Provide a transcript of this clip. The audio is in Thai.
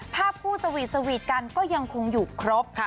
ภาพคู่สวีทสวีทกันก็ยังคงอยู่ครบ